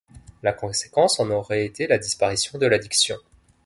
La conséquence en aurait été la disparition de l'addiction.